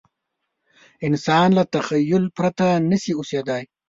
انسان له تخیل پرته نه شي اوسېدای.